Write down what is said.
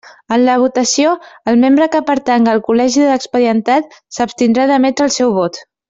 En la votació, el membre que pertanga al col·legi de l'expedientat, s'abstindrà d'emetre el seu vot.